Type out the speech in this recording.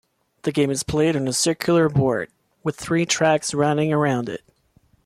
The game is played on a circular board, with three tracks running around it.